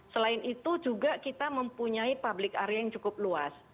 selain itu juga kita mempunyai public area yang cukup luas